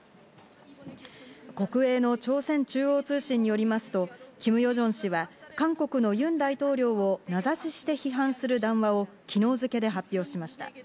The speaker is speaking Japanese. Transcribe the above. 国営の朝鮮中央通信によりますと、キム・ヨジョン氏は韓国のユン大統領を名指しして、批判する談話を昨日付けで発表しました。